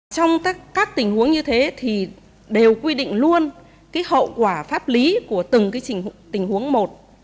trong các tình huống như thế thì đều quy định luôn hậu quả pháp lý của từng tình huống một